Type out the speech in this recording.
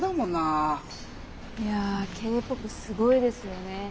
いやＫ−ＰＯＰすごいですよね。